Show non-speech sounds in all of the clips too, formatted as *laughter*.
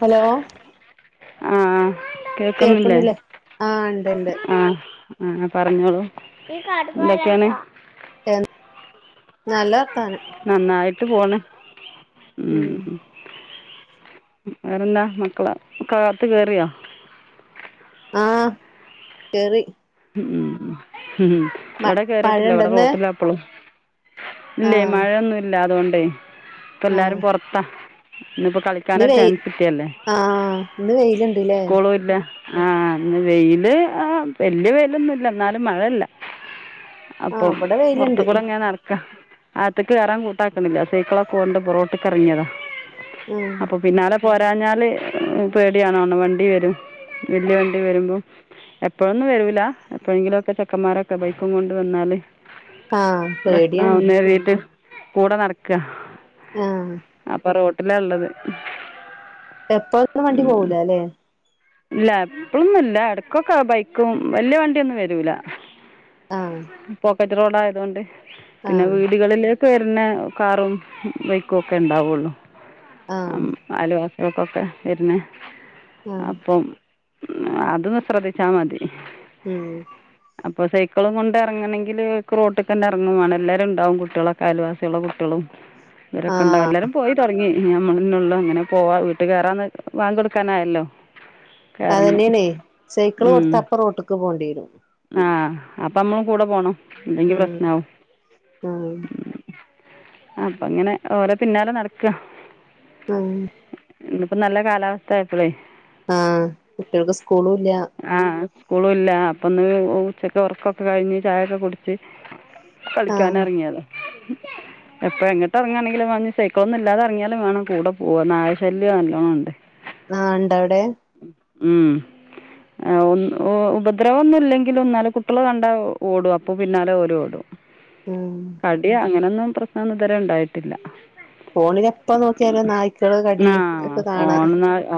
Hello? ആഹ് കേക്കുന്നില്ലേ കേൾക്കുന്നില്ലേ ആഹ് ഇണ്ട്ണ്ട് ആഹ് ആ പറഞ്ഞോളൂ എന്തൊക്കെയാണ്? നല്ല വർത്താനം. നന്നായിട്ട് പോണ് ഉം. വേറെന്താ മക്കളക്കെ അകത്ത് കയറിയോ? ആ കേറി. ഉം ഉം ഉം ഉം ഉം മ വടെ കേറീട്ടില്ല. വടെ മഴണ്ടന്ന് റോട്ടില പ്പളും. ഇല്ലേയ് ആഹ് മഴൊന്നുല്ലാ അതോണ്ടെയ് ഇപ്പൊല്ലാരും ആഹ് പോർതാ. ഇന്നപ്പോ ഇന്ന് കളിക്കാനൊരു വെയി ചാൻസ് കിട്ടിയല്ലേ ആഹ് ഇന്ന് വെയിലുണ്ട്ല്ലേ സ്കൂളും ഇല്ല ആഹ ഇന്ന് വെയില് ആ വല്യ വെയിലൊന്നുംല്ല എന്നാലും മഴയില്ല ആഹ് അപ്പം ഇവിടെ പുറത്ത വെയിലുണ്ട് കൂടെ എങ്ങനെ നട അകത്തു കേറാൻ കൂട്ടാക്കണില്ല സൈക്കളൊക്ക കൊണ്ട് ഇപ്പോ റോട്ടക്ക്റങ്ങിയത ആഹ് അപ്പൊ, പിന്നാലെ പോരാഞ്ഞാല് പേടിയാണാണും. വണ്ടി വെരും വെല്യ വണ്ടി വെരുമ്പം എപ്പോഴ *unintelligible* ന്ന് വെരൂലാ, എപ്പോഴെങ്കിലൊക്കെ ചെക്കമ്മാരൊക്കെ ബൈക്കും കൊണ്ട് വെന്നാല് ആഹ് പേടിയാണ് പ്രശ്നാവുംന്നര്തീട്ട് കൂടെ നടക്കാ. ആഹ അപ്പൊ റോട്ടിലാള്ളത്. എപ്പ *unintelligible* ലും വണ്ടി പോകൂലാ ലേ. ഇല്ല, എപ്പഴൊന്നുംല്ല. എടക്കൊക്കെ ബൈക്കും വല്യ വണ്ടിയൊന്നും വരൂല. ആഹ് പോക്കറ്റ് റോഡ് ആയതുകൊണ്ട് പിന്നെ ആഹ് വീടുകളില വെര്ണ കാറും ബൈക്കുക്കെണ്ടാവൊള്ളൂ. ആഹ് അം അലോ വടെക്കൊക്കെ വെര്ണെ. ആഹ്. പ്പം അതൊന്ന് ശ്രദ്ധിച്ചാ മതി. ഉം. അപ്പൊ സൈക്കളുംകൊണ്ട് എറങ്ങണെങ്കില് ക്ക് റോട്ട്ക്കെന്നെ എറങ്ങും വേണം. എല്ലാരുണ്ടാവും കുട്ട്യളൊക്കെ അയൽവാസ്യളെ കുട്ട്യളും *inaudible* ഇവരൊക്കെ ഉണ്ടാവും ആഹ് എല്ലാരും പോയി തുടങ്ങി ആഹ്, നമ്മളെന്നൊള്ളു. അങ്ങനെ പോവാ വീട്ട് കേറാന്ന് വാങ്കൊട്ക്കാനായല്ലോ. അതെന്നേണേ സൈക്കിള് കൊടുത്തപ്പ റോട്ടിക്ക് പോകേണ്ടി വരും ആഹ്, അപ്പ അമ്മളും കൂടെപോണം. ഇല്ലങ്കി ഉം പ്രശ്നാവും. ആഹ് അപ്പൊങ്ങനെ ഓലെ പിന്നാലെ നടക്കാ. ഉം. ഇന്നിപ്പോ നല്ല കാലാവസ്ഥ ആയപ്പോളേ ആഹ്, കുട്ട്യൾക്ക് സ്കൂളൂല്ല്യ. ആഹ്, സ്കൂളൂല്ലാ. അപ്പൊന്ന് ഉ ഉച്ചക്ക് ഒർക്കൊക്കെ കഴിഞ്ഞ് ചായൊക്കെ കുട്ച്ചി ആഹ് കളിയ്ക്കാനെറങ്ങ്യതാ. *inaudible* എപ്പോഴ എങ്ങിട്ട് ഇങ്ങാണെങ്കിലും മഞ്ഞു എപ്പോ എങ്ങട്ട് ഇറങ്ങിയാലും സൈക്കിളൊന്നും ഇല്ലാത ഇറങ്ങിയാലുംവേണം കൂടെ പോവാ നായശല്യം നല്ലോണം ഉണ്ട് ആഹ ഉണ്ട അവിടെ ഉം ആഹ്, ഒന്ന് ഒ ഉപദ്രവൊന്നുല്ലെങ്കിലും ന്നാലും കുട്ട്യള് കണ്ടാ ഒ ഓടും. അപ്പൊ പിന്നാലെ ഓലും ഓടും. ഉം കടിയാ അങ്ങനെയൊന്നും പ്രശ്നന്നും ഇതുവരെ ഉണ്ടായിട്ടില്ല ഫോണില എപ്പ നോക്കിയാലും നായ്ക്കള് കടി ഒക്കെ കാണാ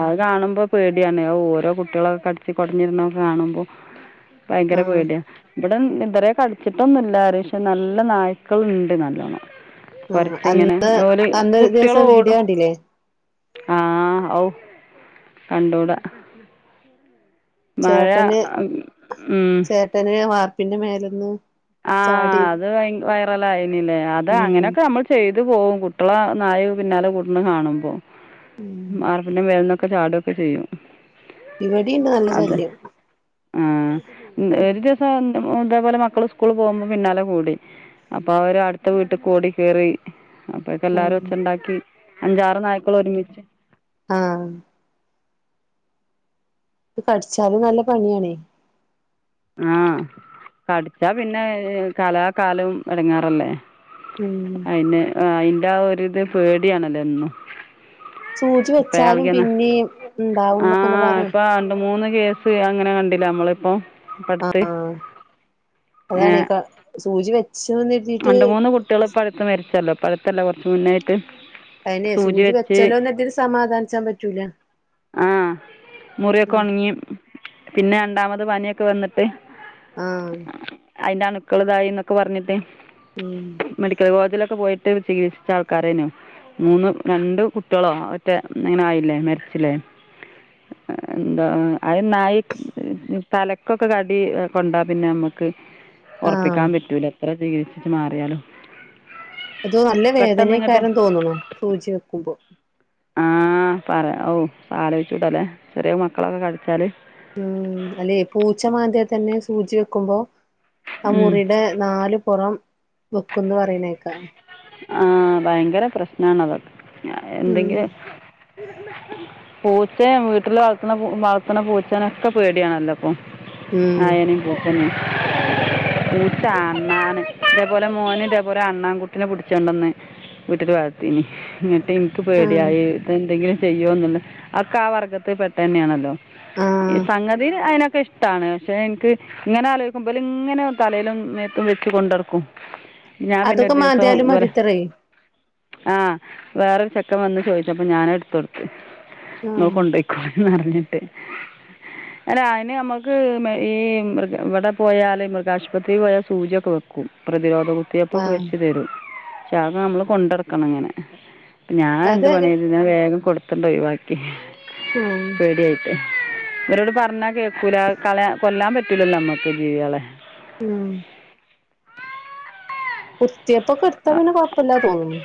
അഅ് കാണുമ്പോ പേടിയാണ്. ഔ ഓരോ കുട്ട്യളൊക്കെ അട്ച്ചി കൊട്ഞ്ഞിട്ണൊ കാണുമ്പൊ ഭയങ്കര ആഹ് പേട്യാ. വെടെം ഇതരെ കട്ട്ച്ചിട്ടൊന്നുല്ല ആരെം. ഷെ നല്ല നായ്ക്കളുണ്ട് നല്ലോണം. ആഹ് അന്ന് കൊരച്ചിങ്ങനെ ഓല് അന്നൊരു ദിവസം വീഡിയോ കുട്ട്യളോടും. കണ്ടില്ലേ ആഹ്, ഔ കണ്ടൂടാ മഴ ഉം ദരേ വാർപ്പിന്റെ മേലന്ന് ആഹ്, ചാടി അത് വൈ വൈറലായീനി ല്ലേ, അത് ഉം അങ്ങനെയൊക്കെ അമ്മൾ ചെയ്തു പോവും. കുട്ട്യള നായെ പിന്നാലെ കൂട്ണ കാണുമ്പോ. വർപിന്റെ മേൽന്നൊക്കെ ചാടൊക്കെ ചെയ്യും. ഇവിടെയുണ്ട് നല്ല ശല്യം ആഹ്, ഉം ഒര് ദിവസം ഉം ഇതേപോലെ മക്കള് സ്കൂൾ പോകുമ്പോ പിന്നാലെ കൂടി അപ്പൊ അവര് അടുത്ത വീട്ട്ക്കോടി കേറി ഉം അപ്പഴ്ക്കെല്ലാരൊച്ചണ്ടാക്കി അഞ്ചാറ് നായ്ക്ക്ള് ഒരുമിച്ച് ആഹ് ത് കടിച്ചാലും നല്ല പണിയാണേ. ആഹ് കടിച്ചാ പിന്നെ ഏ കാലാ കാലം എടങ്ങേറല്ലേ. ഉം അയിന് അ അയിൻ്റാ ഒരിത് പേടിയാണെല്ലോ എന്നും. സൂചി പേ വെച്ചാലും എളകിന്ന പിന്നേം ഇണ്ടാവുംന്നൊക്കെങ്ങനെ ആഹ് പറയാ പ അ മൂന്ന് കേസ് അങ്ങനെ കണ്ടില്ലെനമ്മളിപ്പോ അ ആഹ് അതാണെ ക്ക സൂചി വെച്ചൂന്നെ രണ്ട് മൂന്ന് കുട്ട്യാള് ഇപ്പട്ത്ത് മരിച്ചല്ലോ ഇപ്പട്ത്തല്ല കൊറച്ച് മുന്നായിട്ട്. അയ്നെ സൂചി വെച്ചോല്ലൊന്നെര്തി സമാധാനിച്ചാൻ പറ്റൂല ആഹ് മുറിയൊക്ക ഒണ്ങ്ങി പിന്നെ രണ്ടാമത് പനിയൊക്കെ വന്നിട്ട് ആഹ് അയിന്റ അണുക്കൾ ഇതായിന്നൊക്കെ പറഞ്ഞിട്ട് ഉം മെഡിക്കൽ കോളേജിലൊക്കെ പോയി റ്റവ് ചികിത്സിച്ചാൾക്കാരയ്‌നു. മൂന്ന് രണ്ട് കുട്ടികളോ മറ്റേ ഇങ്ങനെ ആയില്ലേ മരിച്ചിലേ എന്താ അയ് നായി തലക്കൊക്കെ കടി കൊണ്ടാ പിന്നമ്മുക്ക് ആഹ് ഒറപ്പിക്കാൻ പറ്റൂല എത്ര ചികിത്സിച്ച് മാറിയാലും അതോ നല്ല പെട്ടെന്ന് വേദനയ്ക്കാര തോന്നുണു സൂചി വെക്കുമ്പോ ആഹ് പറയാ ഔ ആലോയിച്ചൂടല്ലേ ചെറിയ മക്കളൊക്കെ കടിച്ചാല്. ഉം അല്ലെ പൂച്ച മാന്തിയാ തന്നെ സൂചി വെക്കുമ്പോ ആ മുറിടെ നാലു പൊറം വെക്കുന്ന് പറയണേക്കാം ആഹ് ഭയങ്കര പ്രശ്നാണത് അവർക്ക് ഉം എന്തെങ്കിലും പൂച്ചേം വീട്ടില് വളർത്തണ വളർത്തണ പൂച്ചേനൊക്കെ പേടിയാണല്ലോ. പ്പം ഉം ആഹ് എനി പോം ന്നു പൂച്ച അണ്ണാന് ഇതേപോലെ മോന് ഇതേപോലെ അണ്ണാൻ കുട്ടിനെ പുടി ച്ചണ്ടൊന്ന് വീട്ടില് വളർത്തീനി ന്നിട്ട് ഇൻക്ക് ആഹ് പേടിയായി തെന്തെങ്കിലും ചെയ്യോന്ന്ള്ളെ അഒക്കെ ആ വർഗത്തിൽ പെട്ടന്നേണല്ലോ ഈ ആഹ് സംഗതീൻ അയിനൊക്കെഷ് ട്ടാണ് പക്ഷെ ഇൻക്ക് ഇങ്ങനെ ആലോയിക്കും ഇബലിങ്ങനെ തലയിലും മേത്തും വെച്ച് കൊണ്ടടക്കും. ഞാ ൻപിന്ന അതൊക്കെ ദിവസോം മാന്തിയാലും മതിത്രേ ആഹ് വേറൊരു ചെക്കൻവന്ന് ചോയിച്ചപ്പൊ ഞാനെടുത്തൊട് ന്നോ ആഹ് കൊണ്ടോയ്ക്കോ ന്ന് പറഞ്ഞിട്ട് അല്ല അയ്ൻ നമ്മക്ക് മെ ഈ മൃഗ് ഇവിടെ പോയാല് മൃഗാശുപത്രീ പോയാ സൂചിയൊക്കെ വെക്കും. ക്കും പ്രതിരോധ കുത്തിവെപ്പൊക്കെ ആഹ് വെച്ച് തരും ശാ നമ്മള് കൊണ്ടടക്കണ ഇങ്ങനെ ഞാൻ എന്തു അത് പണിയെയ്തു ഞാൻ വേഗം കൊടുത്തണ്ടൊഴിവാക്കി ഉം പേടിയായി ഇവരോട് പറഞ്ഞാ കേക്കൂല കളയ കൊല്ലാൻ പറ്റൂലല്ലോ നമ്മുക്ക് ജീവികളെ ഉം കുത്തിയപ്പൊക്കെടുത്ത ആ പിന്നെ കൊഴപ്പല്ല തോന്നുന്നു.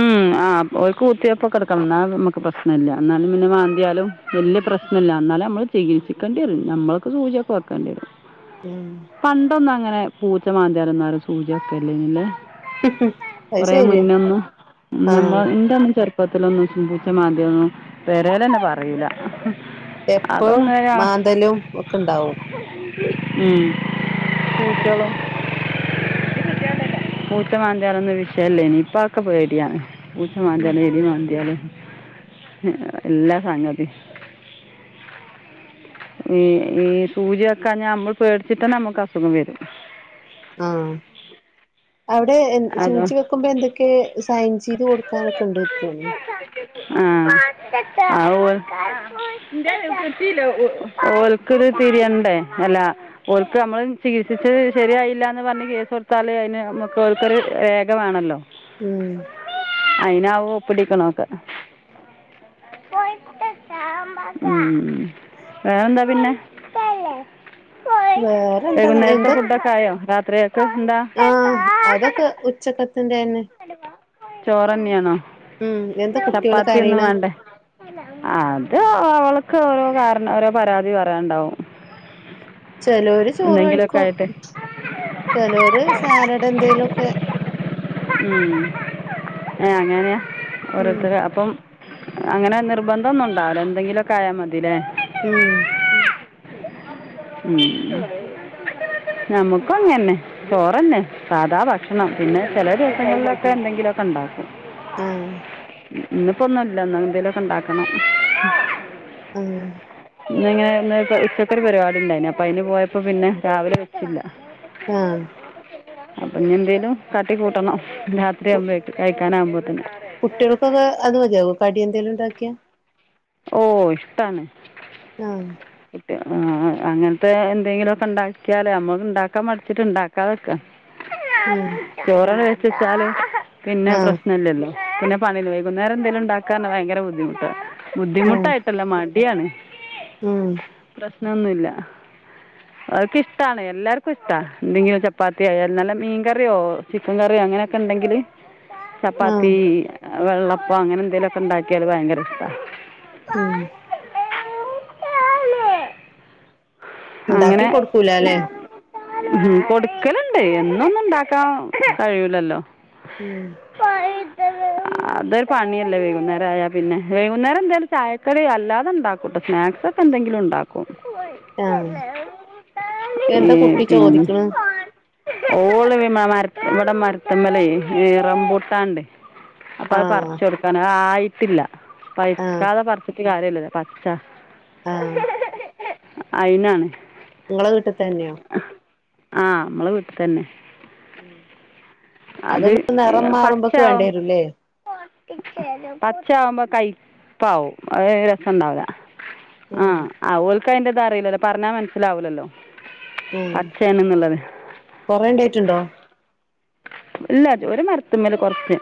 ഉം ആ ഓൽക്ക് കുത്തിയപ്പൊക്കെട്ക്കണം ഇന്നാ നമക്ക് പ്രശ്നല്ല ഇന്നാലും പിന്നെ മാന്തിയാലും വല്ല്യ പ്രശ്നല്ല ന്നാലമ്മള് ചികിത്സിക്കേണ്ടി വരും നമ്മൾക്ക് സൂചിയൊക്കെ വെക്കേണ്ടിവരും പണ്ടൊന്നുംങ്ങനെ പൂച്ച മാന്ത്യാലൊന്നങ്ങനെ സൂചി വെ‌ക്കലി ല്ലെ അത് കൊറേ ശെരിയാ മുന്നൊന്നും. ആഹ് നമ്മൾ ഇൻ്റൊന്നും ചെറുപ്പത്തിലൊന്നും പൂച്ച മാന്ത്യലൊന്നും പെരേലെന്നെ പറയൂല. എപ്പഴും മാന്തലും ഒക്കണ്ടാവു ഉം *inaudible* പൂച്ച മാന്തിയാലൊന്നും വിഷയല്ലേനി ഇപ്പൊ അവക്ക് പേടിയാണ് പൂച്ചമാന്തിയാലും എലി മാന്തിയാലും എല്ലാ സംഗതി ഈ ഈ സൂചി വക്കാഞ്ഞാ നമ്മൾ പേടിച്ചിട്ട് തന്നെ നമുക്ക് അസുഖം വരും. ആഹ് അവിടെ എഹ് അതോ സൂചി വെക്കുമ്പോ എന്തൊക്കെ സൈൻ ചെയ്ത് കൊടുക്കാനൊക്കെണ്ട് തോന്നണു. ആഹ് ആ ഓൽ ഓൽക്കത് തിരിയണ്ടേ അല്ലാ ഓൽക്ക് അമ്മള് ചികിത്സിച്ചത് ശരിയായില്ല എന്ന് പറഞ്ഞ് കേസ് കൊടുത്താല് അയ്ന് നമ്മുക്ക് ഓൽക്കൊരു രേഖ വേണല്ലോ. ഉം അയിനാവു ഒപ്പിടീക്കണതൊക്കെ ഉം വേറെന്താ പിന്നെ വേറെ എന്താ വൈകുന്നേരത്തെ എന്താ ഫുഡൊക്കെ ആയോ രാത്രിയേക്ക് എന്താ ആഹ് അതൊക്കെ ഉച്ചക്കത്തിന്റെ തന്നെ ചോറുതന്നെയാണോ ഉം എന്താ കുട്ടികള് ചപ്പാത്തി ഒന്നും കരയണ് വേണ്ടേ അത് അവൾക്ക് ഓരോ കാരണം ഓരോ പരാതി പറയാൻണ്ടാവും ചെലോര് ചോറ് കഴിക്കും ചെലോര് സാലഡ് എന്തേലൊക്കെ ഉം ഏഹ് അങ്ങനെ ഉം ഓരോരുത്തര് അപ്പം അങ്ങനെ നിർബന്ധം ഒന്നും ഉണ്ടാവില്ല എന്തെങ്കിലൊക്കെ ആയാ മതീലേ ഉം ഉം ഞമ്മക്കു അങ്ങന്നെ ചോറന്നെ സാധാ ഭക്ഷണം. പിന്നെ ചെല ദിവസങ്ങളിലൊക്കെ എന്തെങ്കിലും ഒക്കെ ഉണ്ടാക്കും. ആഹ് ഇന്നിപ്പോ ഒന്നുംല്ല ഇന്ന് എന്തേലൊക്കെ ഉണ്ടാക്കണം. ആഹ് ഇന്നിങ്ങനെ ഒന്ന് ഇപ്പ ഉച്ചക്കൊരു പരിപാടിണ്ടായിന് അപ്പ അയിന് പോയപ്പോ പിന്നെ രാവിലെ വെച്ചില്ല. ആഹ് അപ്പൊ ഞ്ഞി എന്തേലും തട്ടി കൂട്ടണം രാത്രിയാകുമ്പേക്കും കഴിക്കാനാകുമ്പോഴത്തേന് കുട്ട്യോൾക്കൊക്കെ അത് മതിയാകോ കടി എന്തേലും ഉണ്ടാക്കിയാ ഓഹ് ഇഷ്‌ടാണ്. ആഹ് കുട്ട്യാ ആഹ് അങ്ങൻത്തെ എന്തെങ്കിലുക്കെ ഉണ്ടാക്കിയാലേ നമ്മക്ക് ഇണ്ടാക്കാൻ മടിച്ചിട്ട് ഇണ്ടാക്കാതിക്ക ആഹ് ചോറടെ വെച്ചച്ചാല് പിന്നെ ആഹ് പ്രശ്‌നം ഇല്ലല്ലോ. പിന്നെ പണില്ല. വൈകുന്നേരം എന്തേലും ഉണ്ടാക്കാ പറഞ്ഞാ ഭയങ്കര ബുദ്ധിമുട്ടാ. ആഹ് ബുദ്ധിമുട്ടായിട്ടല്ല മടിയാണ്. ഉം പ്രശ്നൊന്നൂല്ല അവക്കിഷ്ടണ് എല്ലാർക്കും ഇഷ്ടാ. എന്തെങ്കിലുംരു ചപ്പാത്തിയായാൽ നല്ല മീൻകറിയോ ചിക്കൻ കറിയോ അങ്ങനെയൊക്കെണ്ടെങ്കില് ചപ്പാത്തി ആഹ് വെള്ളപ്പം അങ്ങനെ എന്തെലുക്കെ ഉണ്ടാക്കിയാല് ഭയങ്കര ഇഷ്ടാ. ഉം ഇണ്ടാക്കി അങ്ങനെ കൊടുക്കൂലല്ലേ ഉം കൊടുക്കലുണ്ട് എന്നൊന്നും ഉണ്ടാക്കാൻ കഴിയൂല്ലല്ലോ ഉം *inaudible* അതൊരു പണിയല്ലേ വൈകുന്നേരം ആയാ പിന്നെ. വൈകുന്നേരം എന്തായാലും ചായക്കടി അല്ലാതെ ഉണ്ടാക്കൂട്ടോ സ്നാക്സ് എന്തെങ്കിലു ഉണ്ടാക്കും ആഹ് എന്താ ഏഹ് കുട്ടി പിന്നെ ചോദിക്ക്ണ് ഓള് വി മ മരത്ത് ഇവടെ മരത്ത്മ്മലെ ഇ റംമ്പൂട്ടാണ്ട്. അപ്പൊ അഅ് ആഹ് പർച്ചൊട്ക്കാന്. അഅ് ആയിട്ടില്ല. ആഹ് പഴ്ക്കാതെ പർച്ചിട്ട് കാര്യല്ലല്ലൊ? പച്ച ആഹ് അയ്നാണ്. ങ്ങളെ വീട്ട്ത്തെൻയോ? ഹ. ആഹ് അമ്മളെ വീട്ട്തന്നെ. ഉം അത് അതൊന്നും നിറം മാറുമ്പോക്ക വേണ്ടി വരുംല്ലേ പച്ച ആവുമ്പ കയ്പ്പാവും അഅ് രസണ്ടാവൂല. ആഹ്. ആ ഓൽക്ക് അയിന്റെ ത് അറിയില്ലല്ലോ. പർഞ്ഞാ മനസ്സിലാവൂലല്ലെ? പച്ചയാണ്ന്നുള്ളത് കൊറേണ്ടായിട്ടുണ്ടോ ഇല്ലാ. ജ് ഒര് മര്ത്ത്മ്മല് കൊർച്ച്.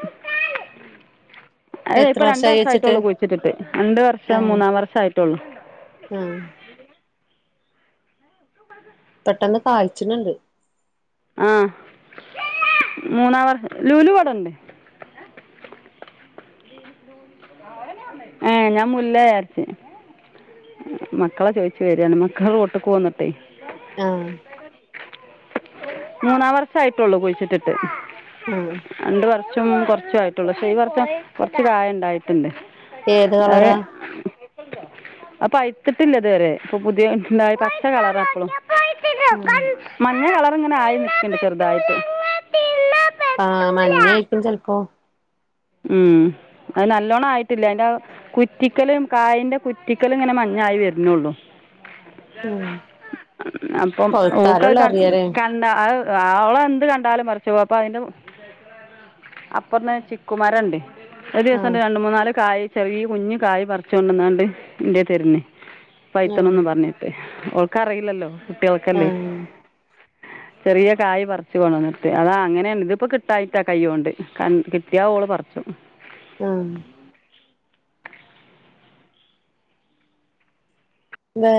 അഅ് എത്ര പ്പൊ വർഷായി വെച്ചിട്ട് രണ്ടർഷായിട്ടുള്ളു കുഴിച്ചിട്ടിട്ട്. രണ്ട് വർഷം ആഹ് മൂന്നാം വർഷായി ട്ടെള്ളൂ. ആഹ് പെട്ടെന്ന് കായ്ച്ചിണ് ണ്ട്. ആഹ്. മൂന്നാമ *unintelligible* ലുലു ഇവടണ്ട്. ഏ. ഞാ മുല്ലേയാര്ച്ച്. മക്കളെ ചോദിച്ചു വരിയാണ് മക്കൾ റോട്ട്ക്ക്ന്നട്ടെ ആഹ് മൂന്നാം വർഷം ആയിട്ടുള്ളൂ കുഴിച്ചിട്ടിട്ട് ആഹ് രണ്ട് വർഷും കുറച്ചും ആയിട്ടുള്ളൂ പക്ഷേ ഈ വർഷം കുറച്ച് കായി ഉണ്ടായി ണ്ട്. ഏത് അഅ് കളറാ അ പ്പഴ്ത്തിട്ടില്ല ഇത്‌വരെ. പ്പൊ പുതിയ ണ്ടായതാ. പച്ച കളറാപ്പളും. ആഹ്. മഞ്ഞ കളർ ഇങ്ങനെ ആയി നിക്ക് ണ്ട്. ചെറുതായിട്ട്. ആഹ് മഞ്ഞ ആയിരിക്കും ചിലപ്പോ ഉം. അഅ് നല്ലോണം ആയിട്ടില്ല. അയിന്റെ ആ കുറ്റിക്കലും കായിന്റെ കുറ്റിക്കലും ഇങ്ങനെ മഞ്ഞായി വരുന്നുള്ളു ഉം. പഴ്ത്താല്ള്ള അറിയാലേ ണ്ട. അഅ് ആ ഓള് എന്ത് കണ്ടാലും പറിച്ച് പോവും. അപ്പ അയിന്റെ മു അപ്പൊന്ന് ചിക് ക്കുമരണ്ട്. ആഹ് ഒരൂസണ്ട് രണ്ട്, മൂന്നാല് കായ് ചെറീ കുഞ്ഞ്കായ് പർച്ചൊ ണ്ടന്നാണ്ട് ഇൻ്റേല്തരുന്ന്. ആഹ് പഴ്ത്ത്ണും പർഞ്ഞ്. അവൾക്ക് അറിയില്ലല്ലോ കുട്ടികൾക്കല്ലേ ആഹ് ചെറിയ കായ് പറിച്ച കൊണംന്നർട്ട് അതാ അങ്ങനെയണ്ട് ഇതിപ്പോ കിട്ടായിട്ടാ കൈ കൊണ്ട് കിട്ട്യാ ഓള് പറച്ചും ആഹ് വേ